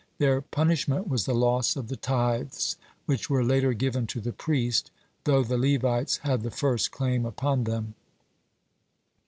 Their punishment was the loss of the tithes, which were later given to the priest, though the Levites had the first claim upon them.